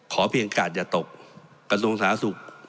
เพียงกาดอย่าตกกระทรวงสาธารณสุข